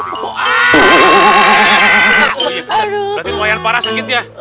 berarti kue yang parah sakit ya